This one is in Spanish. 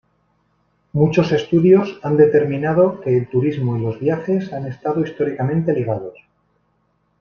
Muchos estudios han determinado que el turismo y los viajes han estado históricamente ligados.